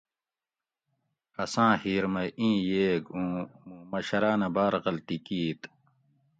اساں ھیر مئ ایں ییگ اُوں موں مشراۤنہ باۤر غلطی کیت